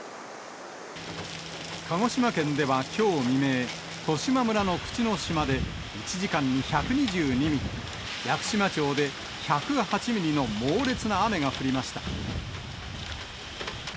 鹿児島県ではきょう未明、十島村の口之島で、１時間に１２２ミリ、屋久島町で１０８ミリの猛烈な雨が降りました。